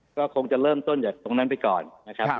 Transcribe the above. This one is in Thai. ก็คงจะเริ่มต้นจากตรงนั้นไปก่อนนะครับ